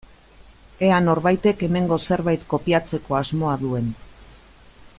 Ea norbaitek hemengo zerbait kopiatzeko asmoa duen.